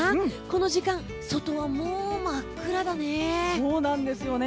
この時間、外はもう真っ暗だね。